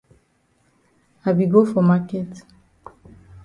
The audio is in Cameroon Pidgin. I be go for maket.